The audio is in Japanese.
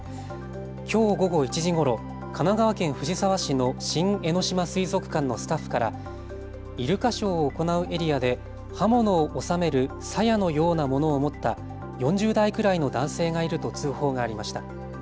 きょう午後１時ごろ神奈川県藤沢市の新江ノ島水族館のスタッフからイルカショーを行うエリアで刃物を収めるさやのようなものを持った４０代くらいの男性がいると通報がありました。